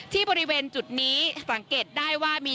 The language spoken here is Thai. ที่บริเวณจุดนี้สังเกตได้ว่ามี